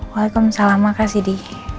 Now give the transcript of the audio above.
waalaikumsalam makasih di